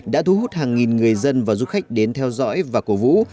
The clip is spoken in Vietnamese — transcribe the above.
đã thu hút hàng nghìn người dân và du khách đến theo dõi và cổ vũ